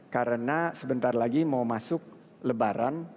karena sebentar lagi mau masuk lebaran